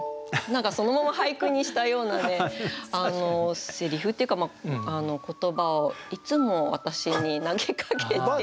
何かそのまま俳句にしたようなねせりふっていうか言葉をいつも私に投げかけていて。